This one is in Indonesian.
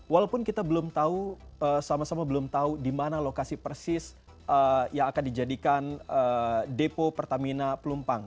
walaupun kita belum tahu sama sama belum tahu di mana lokasi persis yang akan dijadikan depo pertamina pelumpang